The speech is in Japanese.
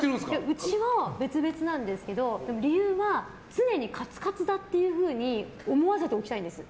うちは別々なんですけど理由は常にカツカツだっていうふうに思わせておきたいんです。